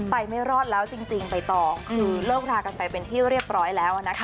ไปไม่รอดแล้วจริงจริงไปต่ออืมหรือเลิกพลากันไปเป็นที่เรียบร้อยแล้วน่ะค่ะ